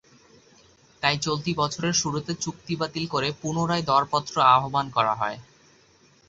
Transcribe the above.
তাই চলতি বছরের শুরুতে চুক্তি বাতিল করে পুনরায় দরপত্র আহ্বান করা হয়।